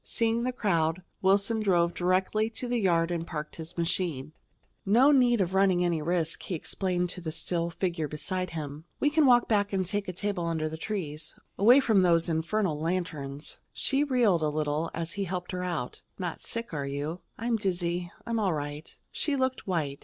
Seeing the crowd, Wilson drove directly to the yard and parked his machine. "No need of running any risk," he explained to the still figure beside him. "We can walk back and take a table under the trees, away from those infernal lanterns." She reeled a little as he helped her out. "Not sick, are you?" "I'm dizzy. I'm all right." She looked white.